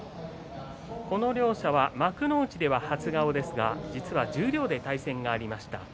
この両者は幕内では初顔ですが実は十両で対戦がありました。